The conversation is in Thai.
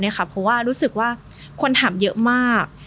เพราะว่ารู้สึกว่าคนถามเยอะมาก